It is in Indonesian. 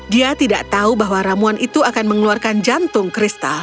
dia tidak tahu bahwa ramuan itu akan mengeluarkan jantung kristal